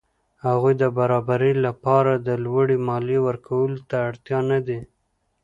هغوی د برابرۍ له پاره د لوړې مالیې ورکولو ته تیار نه دي.